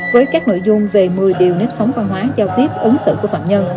với các nội dung về một mươi điều nếp sống văn hóa giao tiếp ứng xử của phạm nhân